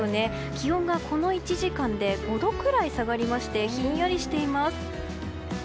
気温がこの１時間で５度くらい下がりましてひんやりしています。